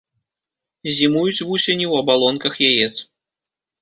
Зімуюць вусені ў абалонках яец.